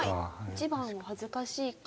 一番は恥ずかしいか。